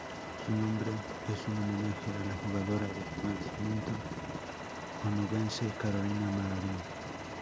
Su nombre es un homenaje a la jugadora de bádminton onubense Carolina Marín.